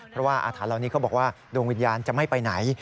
เพราะว่าอาถรรพเหล่านี้เขาบอกว่าดวงวิญญาณจะไม่ไปไหน